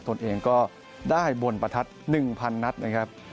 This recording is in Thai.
ตนเองก็ได้บนประทัด๑๐๐นัดนะครับ